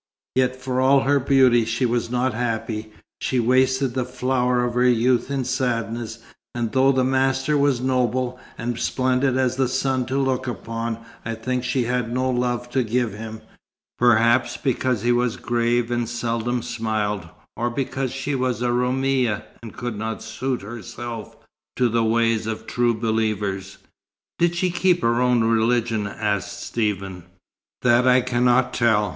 Yet for all her beauty she was not happy. She wasted the flower of her youth in sadness, and though the master was noble, and splendid as the sun to look upon, I think she had no love to give him, perhaps because he was grave and seldom smiled, or because she was a Roumia and could not suit herself to the ways of true believers." "Did she keep to her own religion?" asked Stephen. "That I cannot tell.